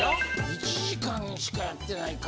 １時間しかやってないか。